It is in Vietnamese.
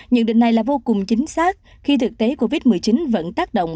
nhận định này là vô cùng chính xác khi thực tế covid một mươi chín vẫn tác động